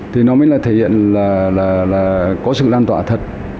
thì nó mới là thể hiện là có sự lan tỏa thật